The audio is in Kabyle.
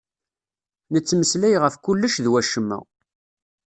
Nettmeslay ɣef kullec d wacemma.